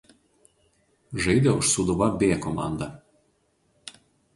Žaidė už Sūduva B komandą.